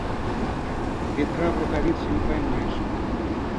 Ветра в рукавицу не поймаешь.